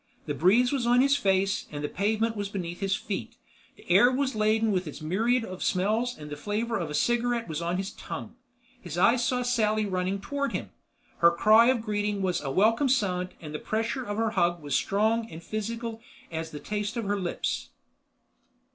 The breeze was on his face and the pavement was beneath his feet, the air was laden with its myriad of smells and the flavor of a cigarette was on his tongue. His eyes saw Sally running toward him, her cry of greeting was a welcome sound and the pressure of her hug was strong and physical as the taste of her lips.